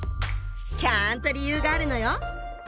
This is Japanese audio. ちゃんと理由があるのよ！